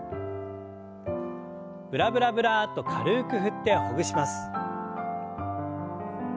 ブラブラブラッと軽く振ってほぐします。